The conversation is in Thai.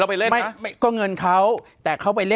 ปากกับภาคภูมิ